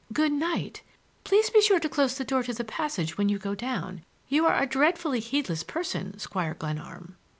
"Good night! Please be sure to close the door to the passage when you go down. You are a dreadfully heedless person, Squire Glenarm."